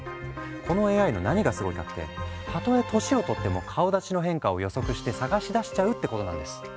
このＡＩの何がすごいかってたとえ年を取っても顔立ちの変化を予測して捜し出しちゃうってことなんです。